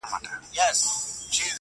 پر خپلوانو گاونډیانو مهربان وو؛